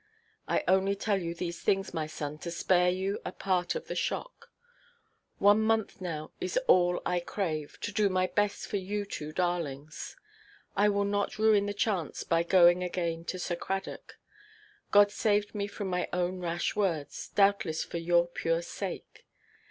I only tell you these things, my son, to spare you a part of the shock. One month now is all I crave, to do my best for you two darlings. I will not ruin the chance by going again to Sir Cradock. God saved me from my own rash words, doubtless for your pure sake.